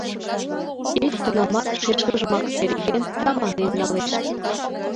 Кеч-кунамат шешкыжымак переген, чаманен налеш.